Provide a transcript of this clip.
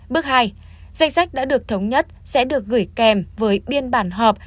bước hai danh sách đã được thống nhất sẽ được gửi kèm với biên bản họp